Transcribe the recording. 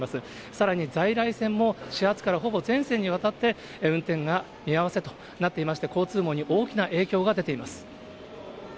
さらに在来線も始発からほぼ全線にわたって運転が見合わせとなっていまして、交通網に大きな影響が出ています。